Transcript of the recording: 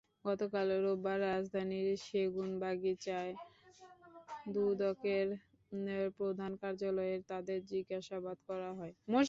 গতকাল রোববার রাজধানীর সেগুনবাগিচায় দুদকের প্রধান কার্যালয়ে তাঁদের জিজ্ঞাসাবাদ করা হয়।